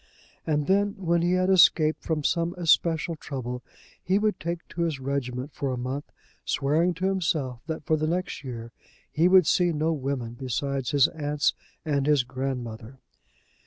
And then, when he had escaped from some especial trouble, he would take to his regiment for a month, swearing to himself that for the next year he would see no women besides his aunts and his grandmother.